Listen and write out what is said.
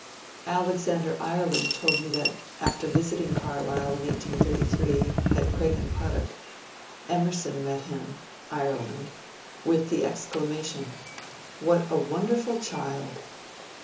Alexander Ireland told me that, after visiting Carlyle in 1833, at Craigenputtoch, Emerson met him (Ireland) with the exclamation, '* What a wonderful child